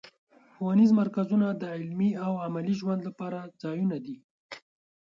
ښوونیز مرکزونه د علمي او عملي زدهکړو لپاره ځایونه دي.